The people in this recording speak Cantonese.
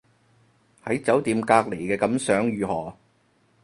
喺酒店隔離嘅感想如何